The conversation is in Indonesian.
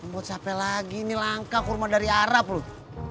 buat capek lagi ini langka kurma dari arab loh